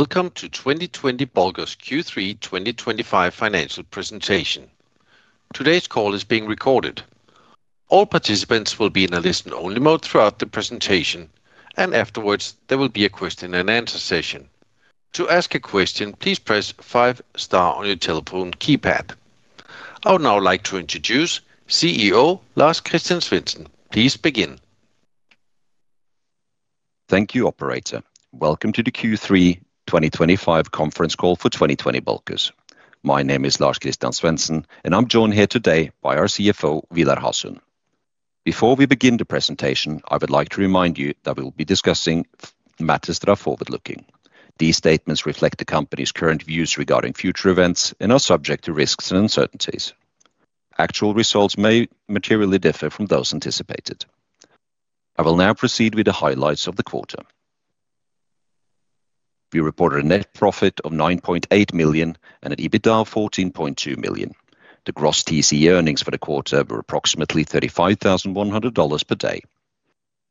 Welcome to 2020 Bulkers Q3 2025 financial presentation. Today's call is being recorded. All participants will be in a listen-only mode throughout the presentation, and afterwards there will be a question-and-answer session. To ask a question, please press five star on your telephone keypad. I would now like to introduce CEO Lars-Christian Svensen. Please begin. Thank you, Operator. Welcome to the Q3 2025 conference call for 2020 Bulkers. My name is Lars-Christian Svensen, and I'm joined here today by our CFO, Vidar Hasund. Before we begin the presentation, I would like to remind you that we will be discussing matters that are forward-looking. These statements reflect the company's current views regarding future events and are subject to risks and uncertainties. Actual results may materially differ from those anticipated. I will now proceed with the highlights of the quarter. We reported a net profit of $9.8 million and an EBITDA of $14.2 million. The gross TC earnings for the quarter were approximately $35,100 per day.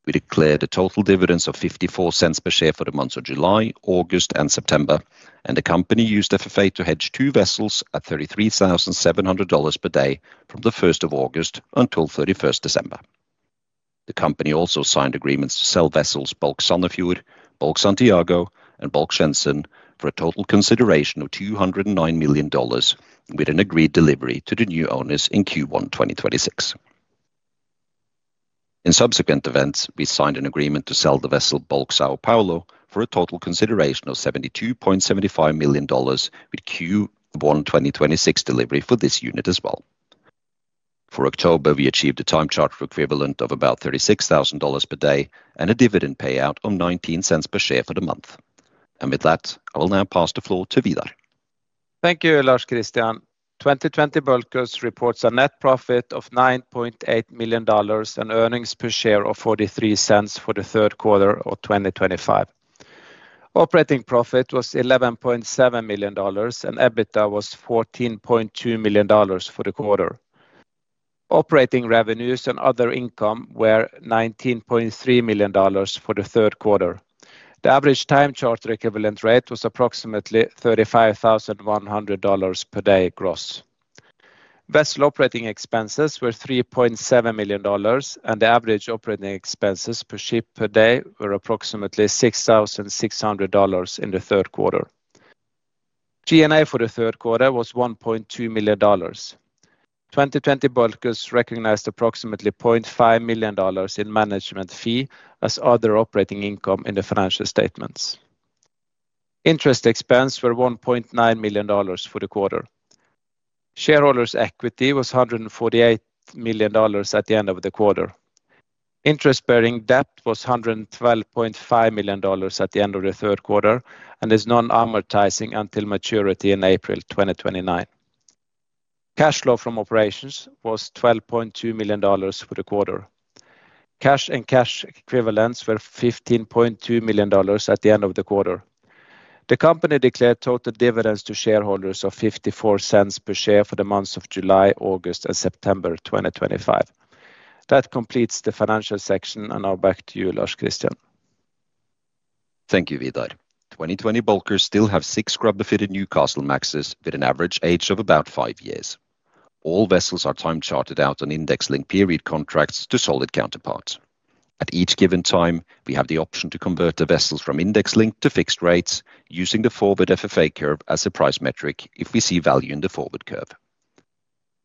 We declared a total dividend of $0.54 per share for the months of July, August, and September, and the company used FFA to hedge two vessels at $33,700 per day from the 1st of August until 31st December. The company also signed agreements to sell vessels Bulk Sandefjord, Bulk Santiago, and Bulk Shenzhen for a total consideration of $209 million, with an agreed delivery to the new owners in Q1 2026. In subsequent events, we signed an agreement to sell the vessel Bulk São Paulo for a total consideration of $72.75 million with Q1 2026 delivery for this unit as well. For October, we achieved a time charter equivalent of about $36,000 per day and a dividend payout of $0.19 per share for the month. With that, I will now pass the floor to Vidar. Thank you, Lars-Christian. 2020 Bulkers reports a net profit of $9.8 million and earnings per share of $0.43 for the third quarter of 2025. Operating profit was $11.7 million and EBITDA was $14.2 million for the quarter. Operating revenues and other income were $19.3 million for the third quarter. The average time charter equivalent rate was approximately $35,100 per day gross. Vessel operating expenses were $3.7 million, and the average operating expenses per ship per day were approximately $6,600 in the third quarter. G&A for the third quarter was $1.2 million. 2020 Bulkers recognized approximately $0.5 million in management fee as other operating income in the financial statements. Interest expense was $1.9 million for the quarter. Shareholders' equity was $148 million at the end of the quarter. Interest-bearing debt was $112.5 million at the end of the third quarter and is non-amortizing until maturity in April 2029. Cash flow from operations was $12.2 million for the quarter. Cash and cash equivalents were $15.2 million at the end of the quarter. The company declared total dividends to shareholders of $0.54 per share for the months of July, August, and September 2025. That completes the financial section, and I'll back to you, Lars-Christian. Thank you, Vidar. 2020 Bulkers still have six scrubber-fitted Newcastlemaxes with an average age of about five years. All vessels are time chartered out on index-linked period contracts to solid counterparts. At each given time, we have the option to convert the vessels from index-linked to fixed rates using the forward FFA curve as a price metric if we see value in the forward curve.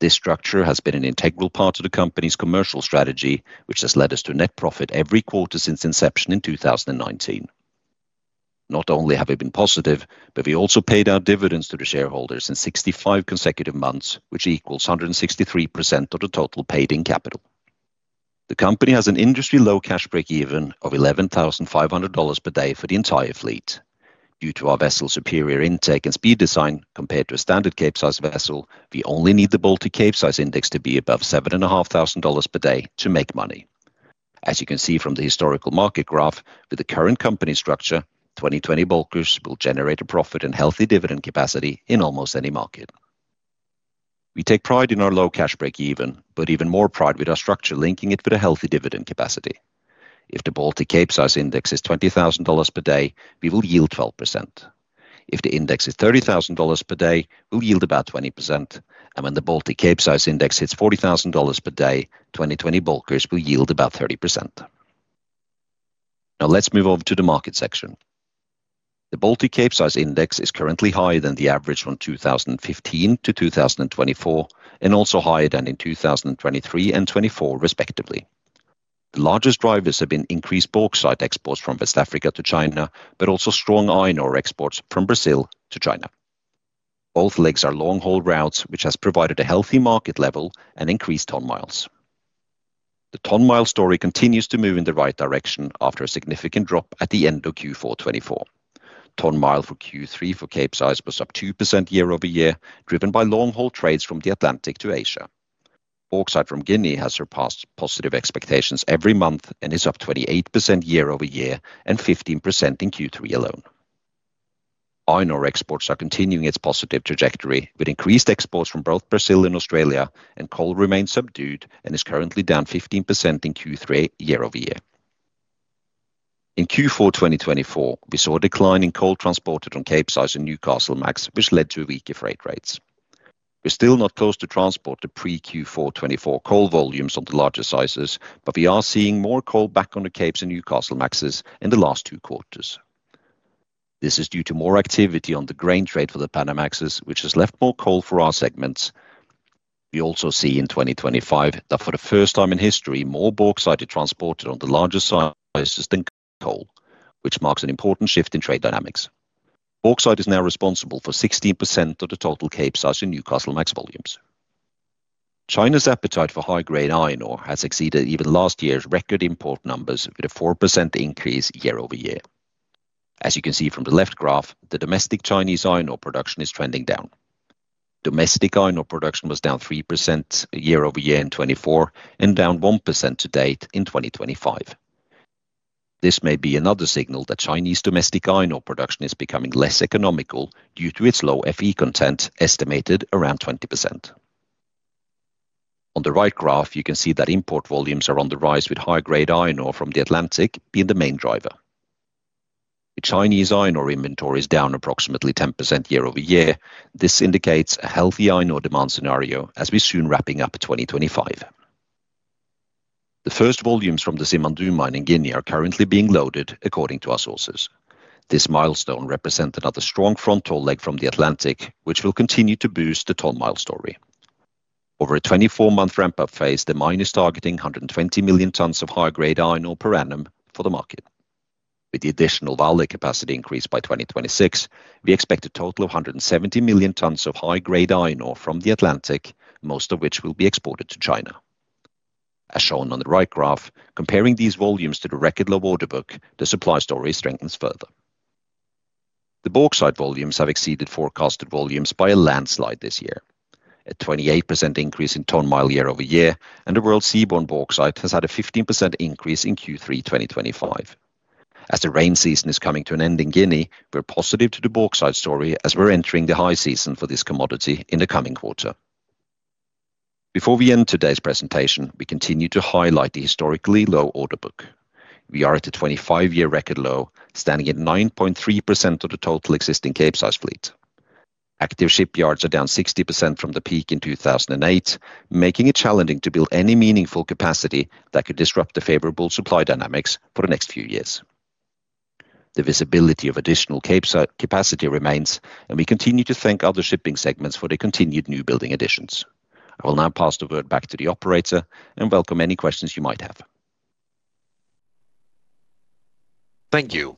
This structure has been an integral part of the company's commercial strategy, which has led us to net profit every quarter since inception in 2019. Not only have we been positive, but we also paid our dividends to the shareholders in 65 consecutive months, which equals 163% of the total paid-in capital. The company has an industry-low cash break-even of $11,500 per day for the entire fleet. Due to our vessel's superior intake and speed design compared to a standard capesize vessel, we only need the Baltic Cape-size Index to be above $7,500 per day to make money. As you can see from the historical market graph, with the current company structure, 2020 Bulkers will generate a profit and healthy dividend capacity in almost any market. We take pride in our low cash break-even, but even more pride with our structure linking it with a healthy dividend capacity. If the Baltic Cape-size Index is $20,000 per day, we will yield 12%. If the index is $30,000 per day, we'll yield about 20%, and when the Baltic Cape-size Index hits $40,000 per day, 2020 Bulkers will yield about 30%. Now let's move over to the market section. The Baltic Cape-size Index is currently higher than the average from 2015-2024, and also higher than in 2023 and 2024 respectively. The largest drivers have been increased bauxite exports from West Africa to China, but also strong iron ore exports from Brazil to China. Both legs are long-haul routes, which has provided a healthy market level and increased ton miles. The ton mile story continues to move in the right direction after a significant drop at the end of Q4 2024. Ton miles for Q3 for Cape-size was up 2% year-over-year, driven by long-haul trades from the Atlantic to Asia. Bauxite from Guinea has surpassed positive expectations every month and is up 28% year-over-year and 15% in Q3 alone. Iron ore exports are continuing its positive trajectory with increased exports from both Brazil and Australia, and coal remains subdued and is currently down 15% in Q3 year-over-year. In Q4 2024, we saw a decline in coal transported on capesize and Newcastlemax, which led to weaker freight rates. We're still not close to transport the pre-Q4 2024 coal volumes on the larger sizes, but we are seeing more coal back on the capes and Newcastlemaxes in the last two quarters. This is due to more activity on the grain trade for the Panamaxes, which has left more coal for our segments. We also see in 2025 that for the first time in history, more bauxite is transported on the larger sizes than coal, which marks an important shift in trade dynamics. Bulk site is now responsible for 16% of the total capesize and Newcastlemax volumes. China's appetite for high-grade iron ore has exceeded even last year's record import numbers with a 4% increase year-over-year. As you can see from the left graph, the domestic Chinese iron ore production is trending down. Domestic iron ore production was down 3% year-over-year in 2024 and down 1% to date in 2025. This may be another signal that Chinese domestic iron ore production is becoming less economical due to its low Fe content estimated around 20%. On the right graph, you can see that import volumes are on the rise with high-grade iron ore from the Atlantic being the main driver. The Chinese iron ore inventory is down approximately 10% year-over-year. This indicates a healthy iron ore demand scenario as we're soon wrapping up 2025. The first volumes from the Simandou mine in Guinea are currently being loaded, according to our sources. This milestone represents another strong frontal leg from the Atlantic, which will continue to boost the ton mile story. Over a 24-month ramp-up phase, the mine is targeting 120 million tons of high-grade iron ore per annum for the market. With the additional Vale capacity increased by 2026, we expect a total of 170 million tons of high-grade iron ore from the Atlantic, most of which will be exported to China. As shown on the right graph, comparing these volumes to the record low order book, the supply story strengthens further. The bauxite volumes have exceeded forecasted volumes by a landslide this year, a 28% increase in ton mile year-over-year, and the world seaborne bauxite has had a 15% increase in Q3 2025. As the rain season is coming to an end in Guinea, we're positive to the bauxite story as we're entering the high season for this commodity in the coming quarter. Before we end today's presentation, we continue to highlight the historically low order book. We are at a 25-year record low, standing at 9.3% of the total existing capesize fleet. Active shipyards are down 60% from the peak in 2008, making it challenging to build any meaningful capacity that could disrupt the favorable supply dynamics for the next few years. The visibility of additional capesize capacity remains, and we continue to thank other shipping segments for the continued new building additions. I will now pass the word back to the Operator and welcome any questions you might have. Thank you.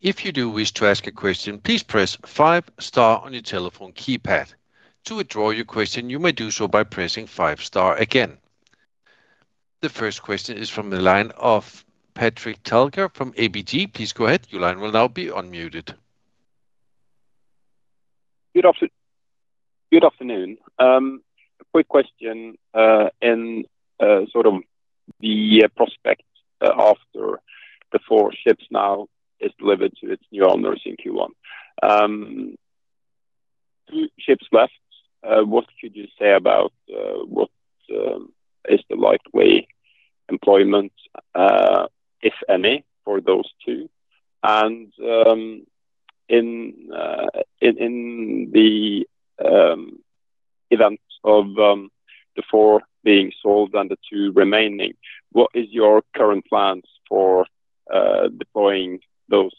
If you do wish to ask a question, please press five star on your telephone keypad. To withdraw your question, you may do so by pressing five star again. The first question is from the line of Patrick Talker from ABG. Please go ahead. Your line will now be unmuted. Good afternoon. A quick question in sort of the prospect after the four ships now is delivered to its new owners in Q1. Two ships left. What could you say about what is the likely employment, if any, for those two? In the event of the four being sold and the two remaining, what is your current plans for deploying those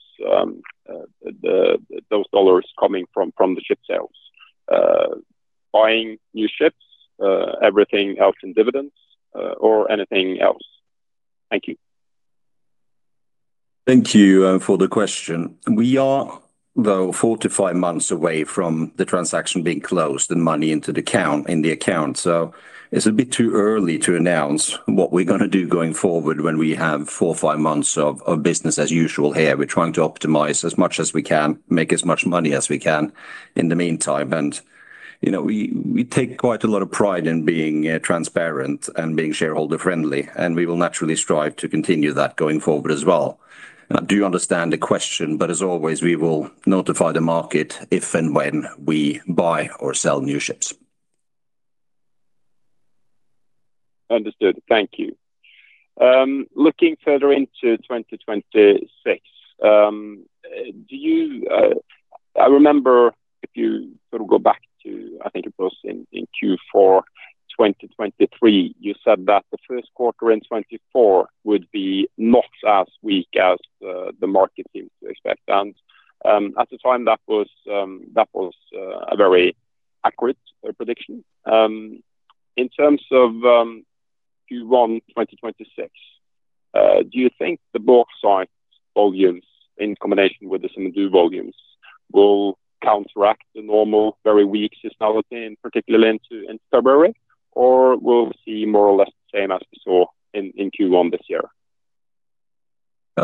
dollars coming from the ship sales? Buying new ships, everything else in dividends, or anything else? Thank you. Thank you for the question. We are, though, four to five months away from the transaction being closed and money into the account. It is a bit too early to announce what we are going to do going forward when we have four or five months of business as usual here. We are trying to optimize as much as we can, make as much money as we can in the meantime. We take quite a lot of pride in being transparent and being shareholder-friendly, and we will naturally strive to continue that going forward as well. I do understand the question, but as always, we will notify the market if and when we buy or sell new ships. Understood. Thank you. Looking further into 2026, I remember if you sort of go back to, I think it was in Q4 2023, you said that the first quarter in 2024 would be not as weak as the market seems to expect. At the time, that was a very accurate prediction. In terms of Q1 2026, do you think the bauxite volumes in combination with the Simandou volumes will counteract the normal very weak seasonality, particularly in February, or will we see more or less the same as we saw in Q1 this year?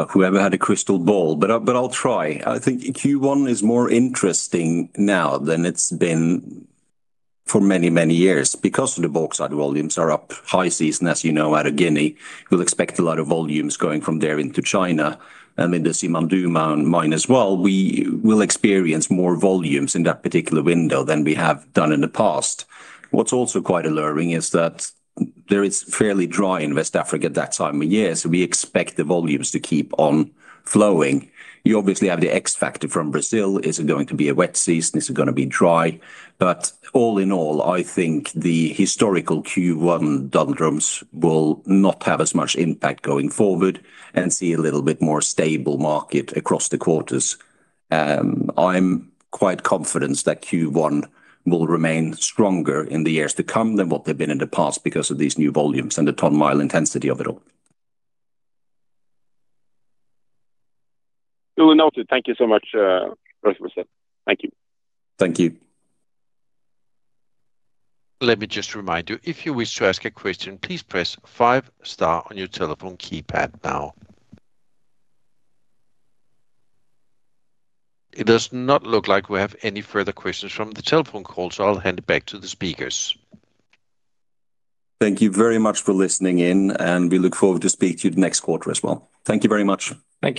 Whoever had a crystal ball, but I'll try. I think Q1 is more interesting now than it's been for many, many years because the bulk site volumes are up. High season, as you know, out of Guinea, you'll expect a lot of volumes going from there into China. With the Simandou mine as well, we will experience more volumes in that particular window than we have done in the past. What's also quite alluring is that it is fairly dry in West Africa at that time of year, so we expect the volumes to keep on flowing. You obviously have the X factor from Brazil. Is it going to be a wet season? Is it going to be dry? All in all, I think the historical Q1 doldrums will not have as much impact going forward and see a little bit more stable market across the quarters. I'm quite confident that Q1 will remain stronger in the years to come than what they've been in the past because of these new volumes and the ton mile intensity of it all. We'll note it. Thank you so much, Professor. Thank you. Thank you. Let me just remind you, if you wish to ask a question, please press five star on your telephone keypad now. It does not look like we have any further questions from the telephone call, so I'll hand it back to the speakers. Thank you very much for listening in, and we look forward to speaking to you the next quarter as well. Thank you very much. Thank you.